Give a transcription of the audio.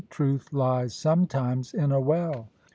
TRUTH LIES SOMETIMES IN A WELL.